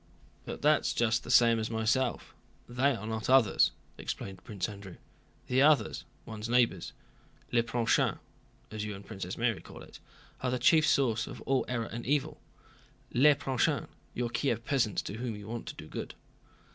"But that's just the same as myself—they are not others," explained Prince Andrew. "The others, one's neighbors, le prochain, as you and Princess Mary call it, are the chief source of all error and evil. Le prochain—your Kiev peasants to whom you want to do good."